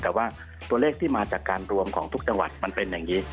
แต่ว่าตัวเลขที่มาจากการรวมของทุกจังหวัดมันเป็นอย่างนี้